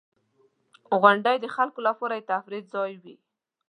• غونډۍ د خلکو لپاره د تفریح ځای وي.